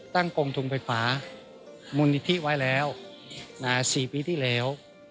กรมทุงไฟฟ้ามูลนิธิไว้แล้ว๔ปีที่แล้ว